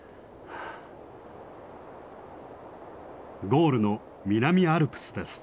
ゴールの南アルプスです。